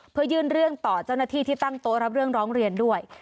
เพื่อยื่นเรื่องต่อเจ้าหน้าที่ที่ตั้งโต๊ะรับเรื่องร้องเรียนด้วย